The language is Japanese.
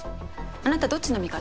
あなたどっちの味方？